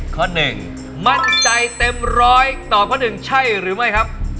ข้อ๑มั่นใจเต็มร้อยตอบข้อ๑ใช่หรือไม่ครับ